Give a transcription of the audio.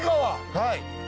はい。